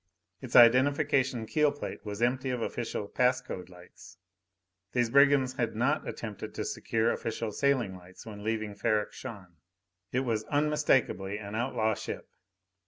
Its identification keel plate was empty of official pass code lights. These brigands had not attempted to secure official sailing lights when leaving Ferrok Shahn. It was unmistakably an outlaw ship.